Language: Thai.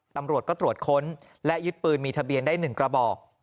ตำรวจก็ตรวจค้นและยึดปืนมีทะเบียนได้๑กระบอก